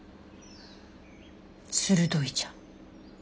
鋭いじゃん。